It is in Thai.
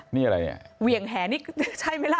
นี่อะไรเนี่ยเหวี่ยงแหนี่ใช่ไหมล่ะ